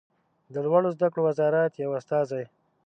د لوړو زده کړو وزارت یو استازی